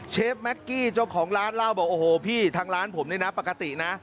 แม็กกี้เจ้าของร้านเล่าบอกโอ้โหพี่ทางร้านผมเนี่ยนะปกตินะ